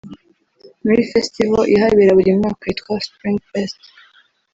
muri festival ihabera buri mwaka yitwa Spring Fest